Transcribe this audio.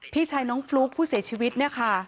พี่ชายน้องฟลุ๊กผู้เสียชีวิตเนี่ยค่ะ